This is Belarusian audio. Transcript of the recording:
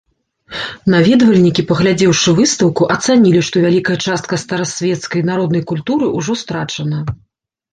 Наведвальнікі, паглядзеўшы выстаўку, ацанілі, што вялікая частка старасвецкай народнай культуры ўжо страчана.